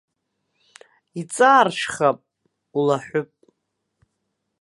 Иҵааршәхап, улаҳәып.